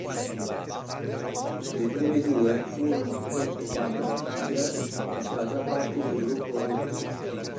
Le prime due furono prodotte quando la Humber faceva già parte del gruppo Rootes.